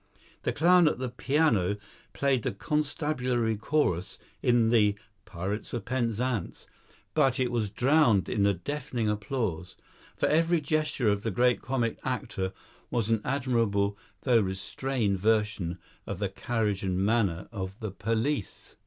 The clown at the piano played the constabulary chorus in the "Pirates of Penzance," but it was drowned in the deafening applause, for every gesture of the great comic actor was an admirable though restrained version of the carriage and manner of the police.